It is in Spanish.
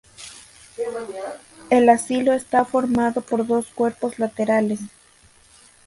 El asilo está formado por dos cuerpos laterales.